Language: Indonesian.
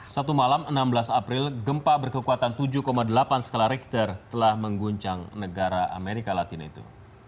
satu malam enam belas april gempa berkekuatan tujuh delapan skala richter telah mengguncang negara amerika latin itu